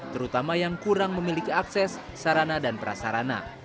terutama yang kurang memiliki akses sarana dan prasarana